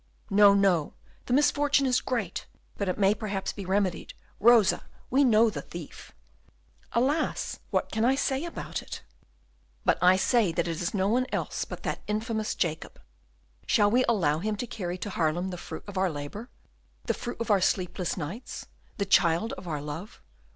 No, no; the misfortune is great, but it may perhaps be remedied. Rosa, we know the thief!" "Alas! what can I say about it?" "But I say that it is no one else but that infamous Jacob. Shall we allow him to carry to Haarlem the fruit of our labour, the fruit of our sleepless nights, the child of our love?